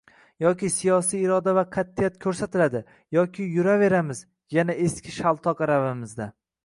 Yoki siyosiy iroda va qatʼiyat koʻrsatiladi, yoki yuraveramiz yana eski shaltoq aravamizda.